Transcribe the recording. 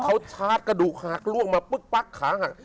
เขาชาร์จกระดูกหักล่วงมาปึ๊กปั๊กขาหัก